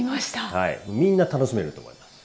はいみんな楽しめると思います。